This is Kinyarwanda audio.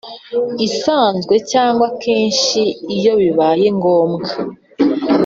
Isanzwe cyangwa kenshi iyo bibaye ngombwa